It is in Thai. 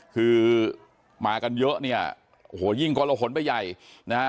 คือมากันเยอะเนี่ยโอ้โหยิ่งกรหนไปใหญ่นะฮะ